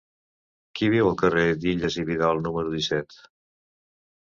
Qui viu al carrer d'Illas i Vidal número disset?